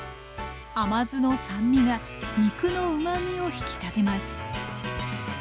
甘酢の酸味が肉のうまみを引き立てます